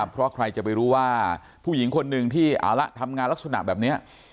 เพราะใครจะไปรู้ว่าผู้หญิงคนหนึ่งที่เอาละทำงานลักษณะแบบนี้